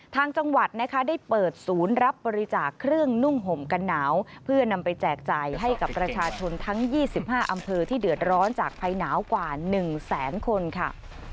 ทางจังหวัดนะคะได้เปิดศูนย์รับบริจาคเครื่องนุ่งห่มกันหนาวเพื่อนำไปแจกจ่ายให้กับประชาชนทั้ง๒๕อำเภอที่เดือดร้อนจากภัยหนาวกว่า๑แสนคนค่ะ